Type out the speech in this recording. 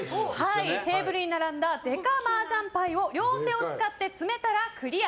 テーブルに並んだデカマージャン牌を両手を使って積めたらクリア。